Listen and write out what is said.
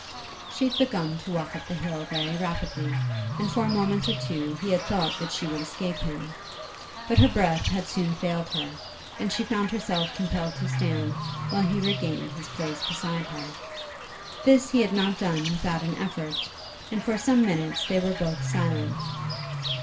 She had begun to walk up the hill very rapidly, and for a moment or two he had thought that she would escape him; but her breath had soon failed her, and she found herself compelled to stand while he regained his place beside her. This he had not done without an effort, and for some minutes they were both silent.